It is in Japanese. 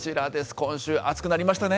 今週、暑くなりましたね。